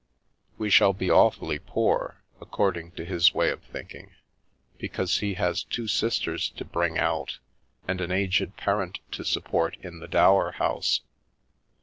" We shall be awfully poor, according to his way of thinking, because he has two sisters to bring out, and an aged parent to support in the Dower House.